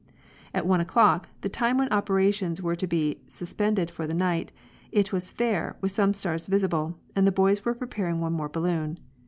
At 1 o'clock, the time when operations were to be suspended for the night, it was fair, with some stars visible, and the boys were preparing one more balloon.